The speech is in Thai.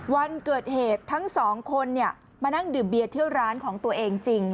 วันเกิดเหตุทั้งสองคนมานั่งดื่มเบียร์เที่ยวร้านของตัวเองจริง